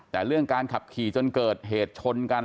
แต่เรื่องการขับขี่จนเกิดเหตุชนกัน